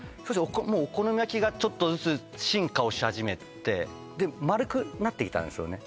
お好み焼きがちょっとずつ進化をし始めてで丸くなってきたんですよね